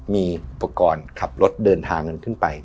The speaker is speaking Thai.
มีประกอบขับรถเดินทางขึ้นไป